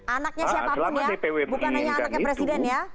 anaknya siapapun ya bukan hanya anaknya presiden ya